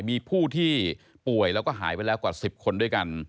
มีผู้ที่ป่วยแล้วก็หายไปแล้วกว่า๑๐คนด้วยกัน